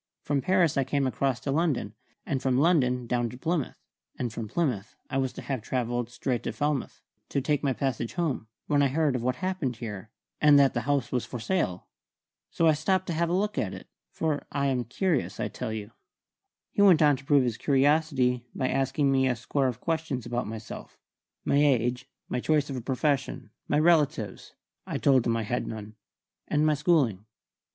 From Paris I came across to London, and from London down to Plymouth, and from Plymouth I was to have travelled straight to Falmouth, to take my passage home, when I heard of what had happened here, and that the house was for sale. So I stopped to have a look at it; for I am curious, I tell you." He went on to prove his curiosity by asking me a score of questions about myself: my age, my choice of a profession, my relatives (I told him I had none), and my schooling.